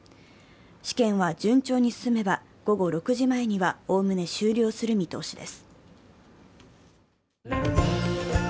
試験は、順調に進めば午後６時前にはおおむね終了する見通しです。